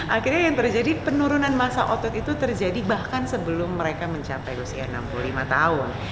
akhirnya yang terjadi penurunan masa otot itu terjadi bahkan sebelum mereka mencapai usia enam puluh lima tahun